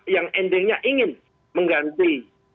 yang endingnya ingin mengganti